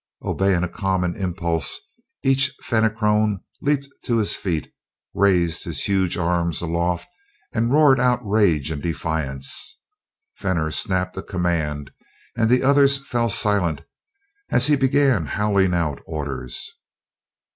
Obeying a common impulse, each Fenachrone leaped to his feet, raised his huge arms aloft, and roared out rage and defiance. Fenor snapped a command, and the others fell silent as he began howling out orders.